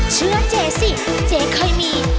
เชื่อเจ๊สิเจ๊เคยมี